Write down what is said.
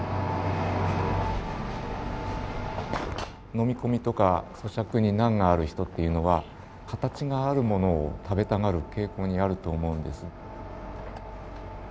飲み込みとか咀嚼に難がある人っていうのは形があるものを食べたがる傾向にあると思うんです。